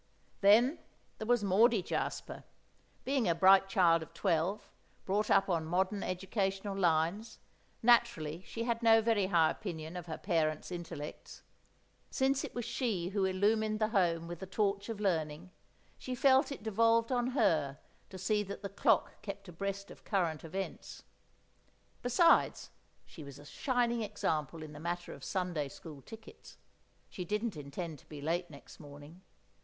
Then there was Maudie Jasper. Being a bright child of twelve, brought up on modern educational lines, naturally she had no very high opinion of her parents' intellects. Since it was she who illumined the home with the torch of learning, she felt it devolved on her to see that the clock kept abreast of current events. Besides, she was a shining example in the matter of Sunday school tickets; she didn't intend to be late next morning.